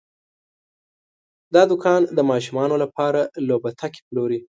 دا دوکان د ماشومانو لپاره لوبتکي پلوري.